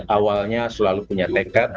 awalnya selalu punya tekad